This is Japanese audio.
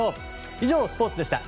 以上、スポーツでした。